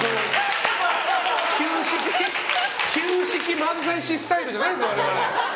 旧式漫才師スタイルじゃないですよ。